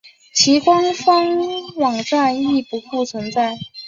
其官方网站亦不复存在。